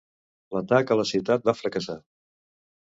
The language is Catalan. L'atac a la ciutat va fracassar.